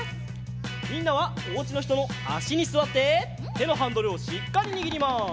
みんなはおうちのひとのあしにすわっててのハンドルをしっかりにぎります。